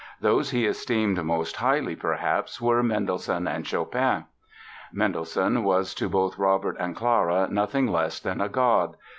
Those he esteemed most highly, perhaps, were Mendelssohn and Chopin. Mendelssohn was to both Robert and Clara nothing less than a god.